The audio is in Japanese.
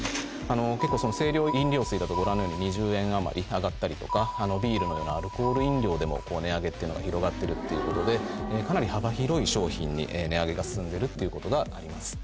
結構清涼飲料水だとご覧のように２０円余り上がったりとかビールのようなアルコール飲料でも値上げっていうのは広がってるっていうことでかなり幅広い商品に値上げが進んでるっていうことがあります。